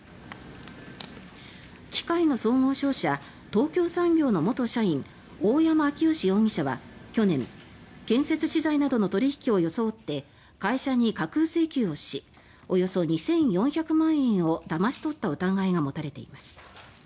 機械の総合商社、東京産業の元社員、大山彰義容疑者は去年建設資材などの取引を装って会社に架空取引をしおよそ２４００万円をだまし取った疑いが持たれています。